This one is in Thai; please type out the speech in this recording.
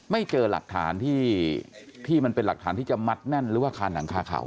ไม่เจอหลักฐานที่มันเป็นหลักฐานที่จะมัดแน่นหรือว่าคาหนังคาเขา